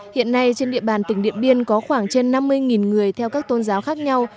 hiện nay trên địa bàn tỉnh điện biên có khoảng trên năm mươi người theo các tôn giáo khác nhau